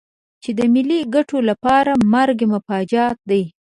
چې د ملي ګټو لپاره مرګ مفاجات دی.